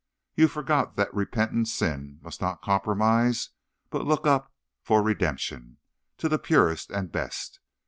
You forgot that repentant sin must not compromise, but look up, for redemption, to the purest and best.